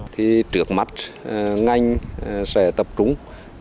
thì trước mắt ngành sẽ tập trung